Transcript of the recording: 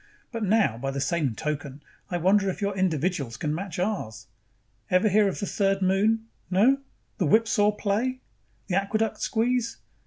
But now, by the same token, I wonder if your individuals can match ours. Ever hear of the Third Moon? No? The whipsaw play? The aqueduct squeeze?